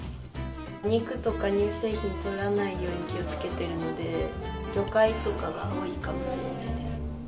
肉とか乳製品とらないように気をつけてるので、魚介とかが多いかもしれないです。